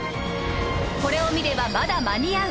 これを見ればまだ間に合う！